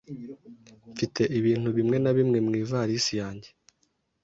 Mfite ibintu bimwe na bimwe mu ivarisi yanjye.